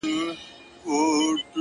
فتنه ی پنجابيان او فتنه ی انګريزان وو